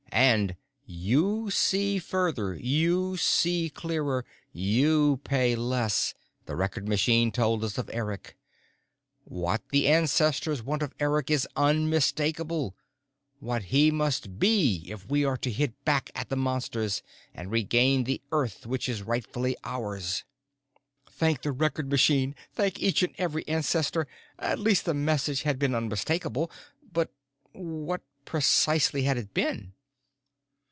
And 'you see further, you see clearer, you pay less,' the Record Machine told us of Eric. What the ancestors want of Eric is unmistakable, what he must be if we are to hit back at the Monsters and regain the Earth which is rightfully ours." Thank the record machine, thank each and every ancestor! At least the message had been unmistakable. But what precisely had it been?